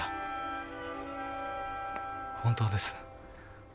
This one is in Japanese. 本当です。